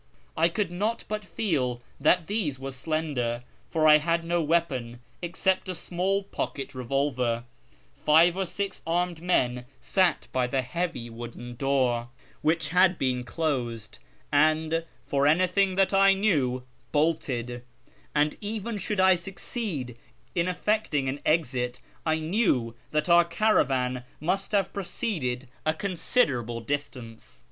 I could not but feel that these were slender, for I had no weapon except a small pocket revolver ; five or six armed men sat by the heavy wooden door, which had been closed, and, for anything that I knew, bolted ; and even should I succeed in effecting an exit, I knew that our caravan must have proceeded a con siderable distance.